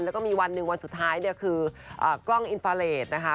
แล้วก็มีวันหนึ่งวันสุดท้ายเนี่ยคือกล้องอินฟาเลสนะคะ